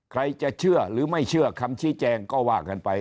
ใครจะเชื่อหรือไม่เชื่อคำชี้แจงก็ว่ากันไป